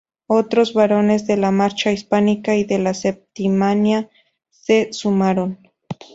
Otros barones de la Marca Hispánica y de la Septimania se sumaron.